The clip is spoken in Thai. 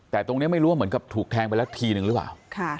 แต่ตรงนี้ไม่รู้ว่าเหมือนกับถูกแทงไปแล้วทีนึงหรือเปล่า